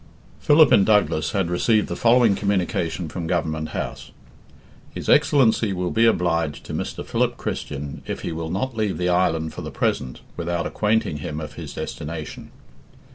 Philip, in Douglas, had received the following communication from Government House: "His Excellency will be obliged to Mr. Philip Christian if he will not leave the island for the present without acquainting him of his destination."